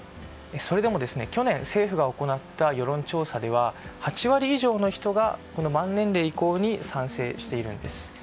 それでも去年、政府が行った世論調査では８割以上の人が満年齢移行に賛成しているんです。